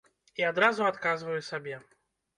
І адразу адказваю сабе.